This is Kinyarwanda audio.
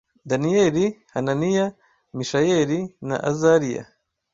Daniyeli, Hananiya, Mishayeli na Azariya.